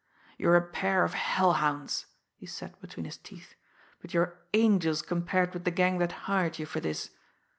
"You are a pair of hell hounds," he said between his teeth; "but you are angels compared with the gang that hired you for this.